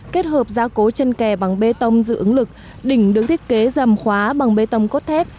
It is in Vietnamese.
kết hợp gia cố chân kè bằng bê tông dự ứng lực đỉnh được thiết kế dầm khóa bằng bê tông cốt thép